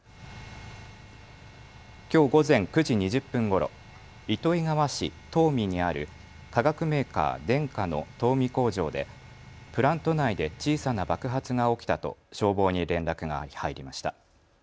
きょう午前９時２０分ごろ糸魚川市田海にある化学メーカー、デンカの田海工場でプラント内で小さな爆発が起きたと消防に連絡が入りました。